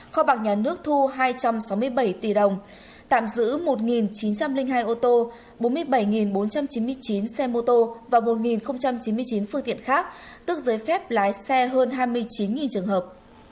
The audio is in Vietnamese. kho bạc nhà nước thu hai trăm sáu mươi bảy tỷ đồng tạm giữ một chín trăm linh hai ô tô bốn mươi bảy bốn trăm chín mươi chín xe mô tô và một chín mươi chín phương tiện khác tức giấy phép lái xe hơn hai mươi chín trường hợp